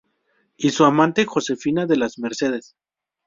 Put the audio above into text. Y su amante Josefina de las Mercedes